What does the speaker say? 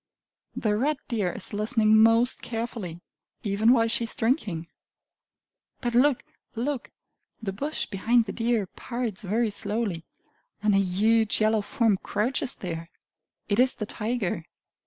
The red deer is listening most carefully, even while she is drinking! But look, look! The bush behind the deer parts very slowly, and a huge yellow form crouches there! It is the tiger!